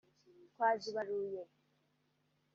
twazibaruye